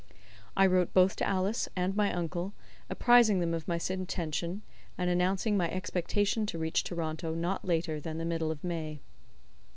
I wrote both to Alice and my uncle, apprising them of my intention, and announcing my expectation to reach Toronto not later than the middle of May.